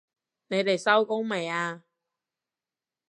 你哋收工未啊？